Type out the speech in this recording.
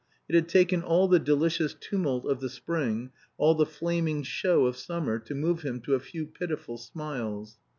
It had taken all the delicious tumult of the spring, all the flaming show of summer, to move him to a few pitiful smiles.